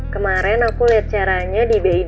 kemaren aku liat caranya di bi go id